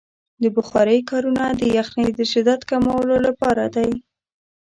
د بخارۍ کارونه د یخنۍ د شدت کمولو لپاره دی.